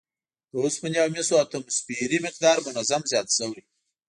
د اوسپنې او مسو اتوموسفیري مقدار منظم زیات شوی